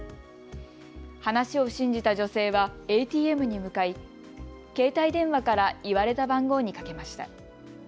話を信じた女性はＡＴＭに向かい携帯電話から言われた番号にかけました。